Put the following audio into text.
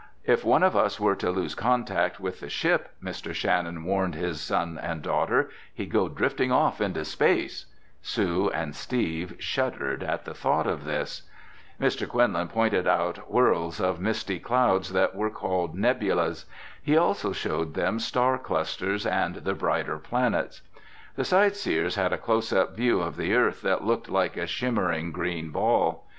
"If one of us were to lose contact with the ship," Mr. Shannon warned his son and daughter, "he'd go drifting off into space." Sue and Steve shuddered at the thought of this. [Illustration: Everyone was told to buckle himself to the rail by a short length of cord] Mr. Quinlan pointed out whirls of misty clouds that were called nebulas. He also showed them star clusters and the brighter planets. The sight seers had a closeup view of the earth that looked like a shimmering green ball.